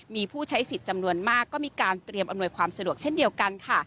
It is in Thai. มีผู้ใช้สิทธิ์จำนวนมากก็มีการเตรียมอำนวยความสะดวกเช่นเดียวกันค่ะ